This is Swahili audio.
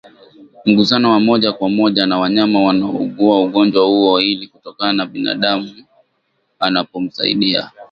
mgusano wa moja kwa moja na wanyama wanaougua ugonjwa huo Hili hutokea binadamu anapomsaidia